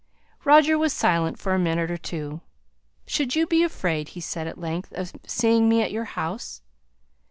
Roger was silent for a minute or two. "Should you be afraid," he said at length, "of seeing me at your house?"